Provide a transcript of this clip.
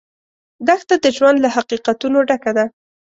دښته د ژوند له حقیقتونو ډکه ده.